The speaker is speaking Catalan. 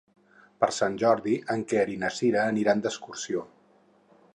Per Sant Jordi en Quer i na Cira aniran d'excursió.